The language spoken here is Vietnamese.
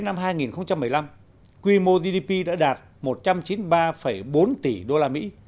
năm hai nghìn một mươi năm quy mô gdp đã đạt một trăm chín mươi ba bốn tỷ usd